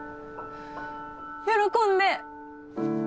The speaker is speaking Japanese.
喜んで！